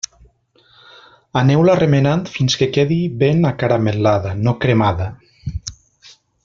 Aneu-la remenant fins que quedi ben acaramel·lada, no cremada.